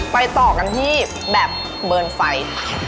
ต่อกันที่แบบเบิร์นไฟ